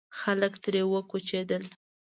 خلک ترې وکوچېدل.